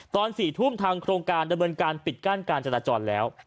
ตอน๔ทุ่มทางโครงการดำเนินการปิดกั้นการจราจรแล้ว